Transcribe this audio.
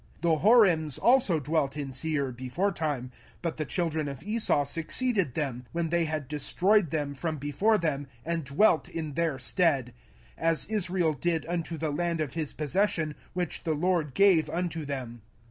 05:002:012 The Horims also dwelt in Seir beforetime; but the children of Esau succeeded them, when they had destroyed them from before them, and dwelt in their stead; as Israel did unto the land of his possession, which the LORD gave unto them.